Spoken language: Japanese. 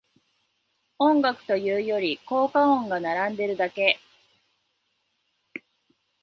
音楽というより効果音が並んでるだけ